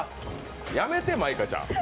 やめて、舞香ちゃん。